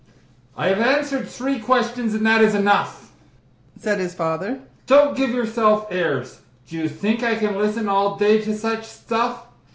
"I have answered three questions, and that is enough," Said his father. "Don't give yourself airs! Do you think I can listen all day to such stuff?